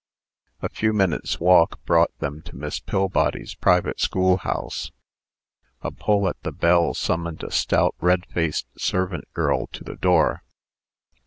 A few minutes' walk brought them to Miss Pillbody's private schoolhouse. A pull at the bell summoned a stout, red faced servant girl to the door.